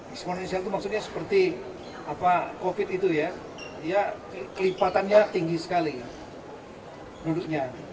eksponensial itu maksudnya seperti covid itu ya ya kelipatannya tinggi sekali penduduknya